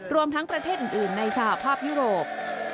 รวมทั้งประเทศอื่นในสหภาพยุโรป